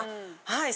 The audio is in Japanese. はい。